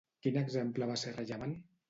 Quin exemple va ser rellevant?